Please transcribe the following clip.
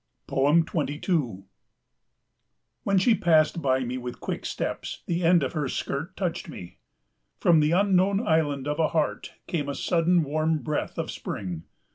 22 When she passed by me with quick steps, the end of her skirt touched me. From the unknown island of a heart came a sudden warm breath of spring.